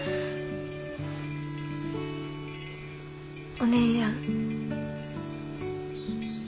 お姉やん。